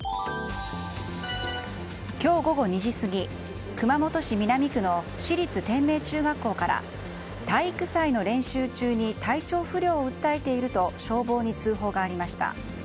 今日午後２時過ぎ熊本市南区の市立天明中学校から体育祭の練習中に体調不良を訴えていると消防に通報がありました。